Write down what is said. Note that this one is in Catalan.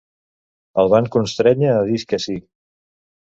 El van constrènyer a dir que sí.